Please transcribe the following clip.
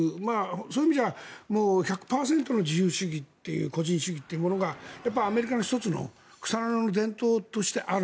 そういう意味じゃ１００％の自由主義個人主義というものがアメリカの１つの草の根の伝統としてある。